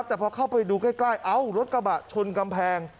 แต่พอเข้าไปดูใกล้เอ้ารถกระบะชนกำแพง